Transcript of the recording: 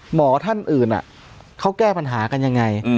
หมอท่านอื่นเขาแก้ปัญหากันยังไง